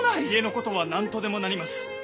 家のことは何とでもなります。